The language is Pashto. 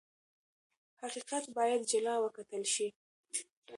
حقیقت باید جلا وکتل شي.